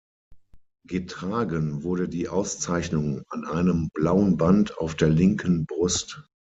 Getragen wurde die Auszeichnung an einem blauen Band auf der linken Brust.